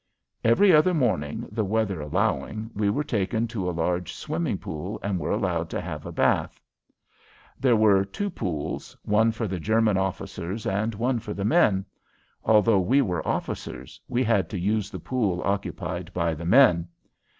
Every other morning, the weather allowing, we were taken to a large swimming pool and were allowed to have a bath. There were two pools, one for the German officers and one for the men. Although we were officers, we had to use the pool occupied by the men.